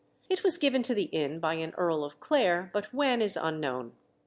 It was given to the inn by an Earl of Clare, but when is unknown.